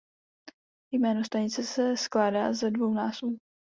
Jméno stanice se skládá ze dvou názvů.